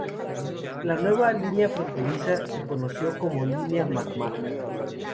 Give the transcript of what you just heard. La nueva línea fronteriza se conoció como "línea McMahon".